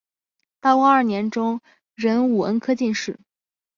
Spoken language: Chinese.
道光二年中壬午恩科进士。